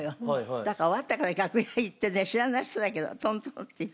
だから終わってから楽屋へ行ってね知らない人だけどトントンって行って。